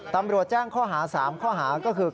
ตำรวจแจ้งข้อหา๓ข้อหาก็คือ